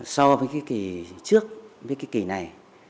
so với kỳ trước với kỳ này